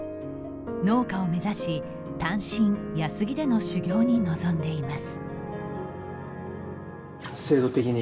農家を目指し、単身安来での修業に臨んでいます。